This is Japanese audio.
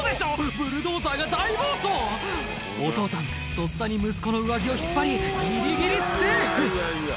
⁉ブルドーザーが大暴走お父さんとっさに息子の上着を引っ張りギリギリセーフ